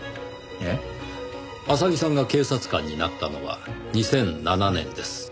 浅木さんが警察官になったのは２００７年です。